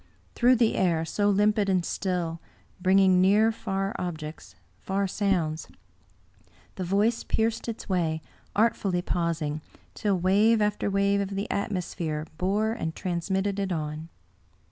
Through the air — so limpid and still, bringing near far objects, far sounds — the voice pierced its way, artfully pausing, till wave after wave of the atmosphere bore and transmitted it on.